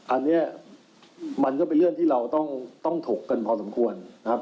อันนี้มันก็เป็นเรื่องที่เราต้องถกกันพอสมควรนะครับ